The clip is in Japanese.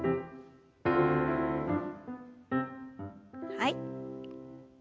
はい。